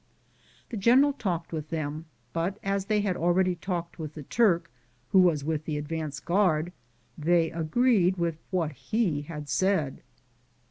The gene ral talked with them, but as they had al ready talked with the Turk, who was with the advance guard, they agreed with what he had said.